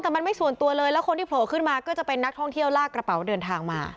แต่มันไม่ส่วนตัวเลยแล้วคนที่โผล่ขึ้นมาก็จะเป็นนักท่องเที่ยวลากกระเป๋าเดินทางมา